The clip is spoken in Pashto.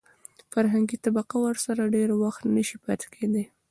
فرهنګي طبقه ورسره ډېر وخت نشي پاتې کېدای.